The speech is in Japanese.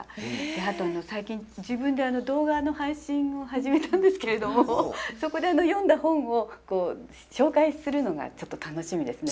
あと最近自分で動画の配信を始めたんですけれどもそこで読んだ本を紹介するのがちょっと楽しみですね。